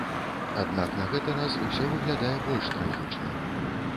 Аднак на гэты раз усё выглядае больш трагічна.